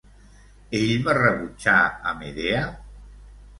Ell va rebutjar a Medea?